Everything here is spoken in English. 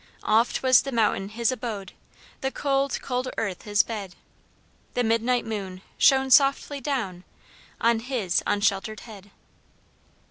"Oft was the mountain his abode, The cold, cold earth his bed; The midnight moon shone softly down On his unsheltered head.